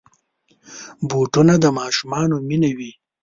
بوټونه د ماشومانو مینه وي.